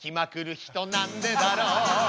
「なんでだろう」